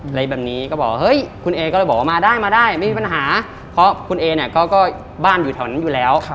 อะไรแบบนี้ก็บอกเฮ้ยคุณเอก็เลยบอกว่ามาได้มาได้ไม่มีปัญหาเพราะคุณเอเนี่ยก็บ้านอยู่แถวนั้นอยู่แล้ว